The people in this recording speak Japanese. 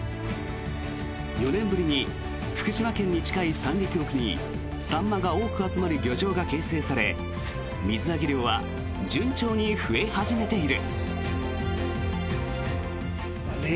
４年ぶりに福島県に近い三陸沖にサンマが多く集まる漁場が形成され水揚げ量は順調に増え始めている。